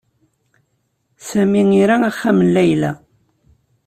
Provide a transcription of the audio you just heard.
Sami ira axxam n Layla.